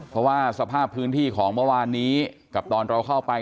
เพราะว่าสภาพพื้นที่ของเมื่อวานนี้กับตอนเราเข้าไป